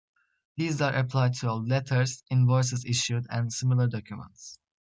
These are applied to all letters, invoices issued, and similar documents.